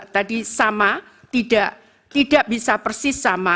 tadi sama tidak bisa persis sama